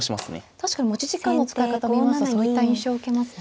確かに持ち時間の使い方見ますとそういった印象を受けますね。